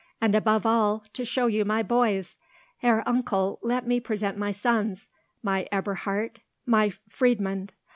and, above all, to show you my boys! Herr Uncle, let me present my sons—my Eberhard, my Friedmund.